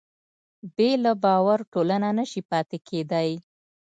بې له باور ټولنه نهشي پاتې کېدی.